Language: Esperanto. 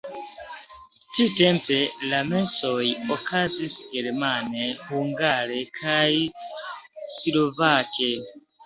Tiutempe le mesoj okazis germane, hungare kaj slovake.